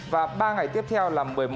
và ba ngày tiếp theo là một mươi một